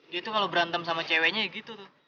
dia tuh kalau berantem sama ceweknya ya gitu tuh